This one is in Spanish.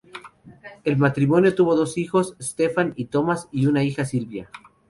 El matrimonio tuvo dos hijos, Stephan y Thomas, y una hija, Sylvia.